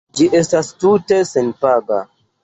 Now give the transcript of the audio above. Ĝi estas tute senpaga.